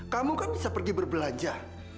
kamu kan bisa pergi berbelanja